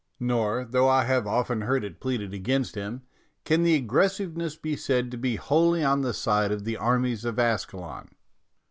Nor, though I have often heard it pleaded against him, can the aggressiveness be said to be wholly on the side of the armies of Askalon.